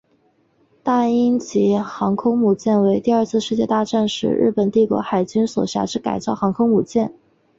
大鹰级航空母舰为第二次世界大战时日本帝国海军所辖之改造航空母舰。